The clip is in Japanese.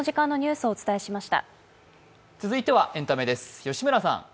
続いてはエンタメです。